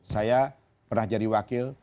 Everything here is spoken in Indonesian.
saya pernah jadi wakil